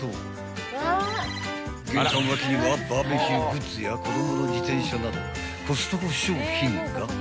［玄関脇にはバーベキューグッズや子供の自転車などコストコ商品が］